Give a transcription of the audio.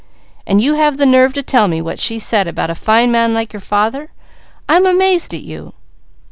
And you have the nerve to tell me what she said about a fine man like your father. I'm amazed at you!"